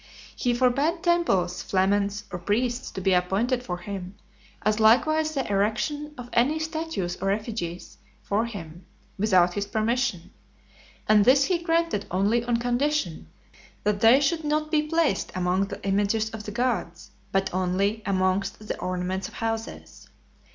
He forbad temples, flamens, or priests to be appointed for him, as likewise the erection of any statues or effigies for him, without his permission; and this he granted only on condition that they should not be placed amongst the images of the gods, but only amongst the ornaments of houses.